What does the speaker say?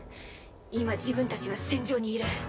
今自分たちは戦場にいる。